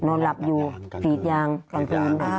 นอนหลับอยู่ฟีดยางกันตรงนั้น